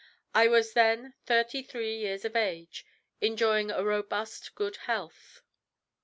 I was then thirty three years of age, enjoying a robust good health.